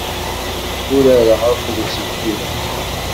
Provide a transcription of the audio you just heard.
Urareɣ akked uselkim-nni.